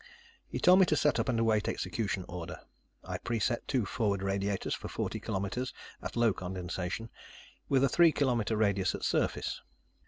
He told me to set up and await execution order. I preset two forward radiators for forty kilometers at low condensation, with a three kilometer radius at surface.